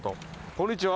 こんにちは。